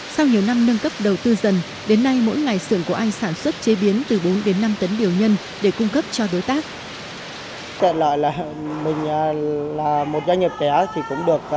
sau nhiều năm nâng cấp đầu tư dần đến nay mỗi ngày sưởng của anh sản xuất chế biến từ bốn đến năm tấn điều nhân để cung cấp cho đối tác